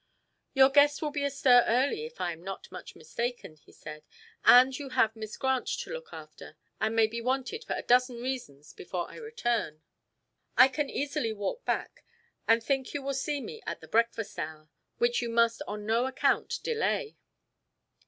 "Your guest will be astir early if I am not much mistaken," he said. "And you have Miss Grant to look after, and may be wanted for a dozen reasons before I return. I can easily walk back, and think you will see me at the breakfast hour, which you must on no account delay."